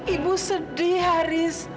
ibu sedih haris